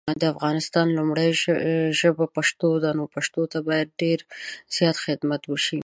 د افغانستان لومړی ژبه پښتو ده نو پښتو ته باید دیر زیات خدمات وشي